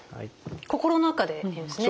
心の中で言うんですね。